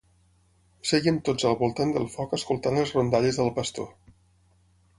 Sèiem tots al voltant del foc escoltant les rondalles del pastor.